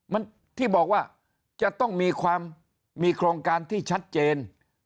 มันที่บอกว่าจะต้องมีความมีโครงการที่ชัดเจน